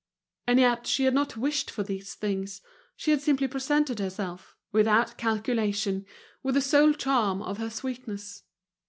And yet she had not wished for these things, she had simply presented herself, without calculation, with the sole charm of her sweetness.